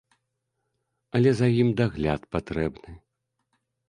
Але за ім дагляд патрэбны.